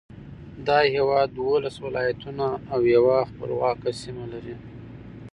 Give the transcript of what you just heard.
دا هېواد دولس ولایتونه او یوه خپلواکه سیمه لري.